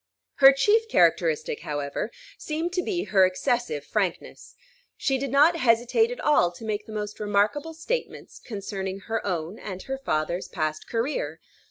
Her chief characteristic, however, seemed to be her excessive frankness. She did not hesitate at all to make the most remarkable statements concerning her own and her father's past career.